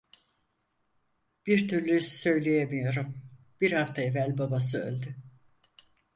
Bir türlü söyleyemiyorum, bir hafta evvel babası öldü…